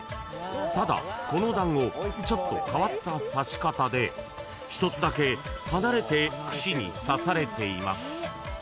［ただこの団子ちょっと変わった刺し方で１つだけ離れて串に刺されています］